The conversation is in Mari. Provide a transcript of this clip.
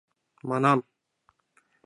Манам!